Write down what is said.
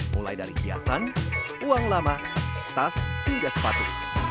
mulai dari hiasan uang lama tas hingga sepatu